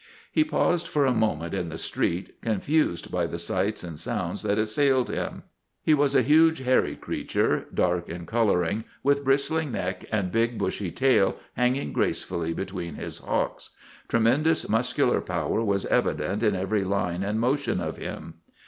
He paused for a moment in the street, confused by the sights and sounds that assailed him. He was a huge, hairy creature, dark in coloring, with bristling neck and big, bushy tail hanging gracefully between his hocks. Tremendous muscular power was evi dent in every line and motion of him.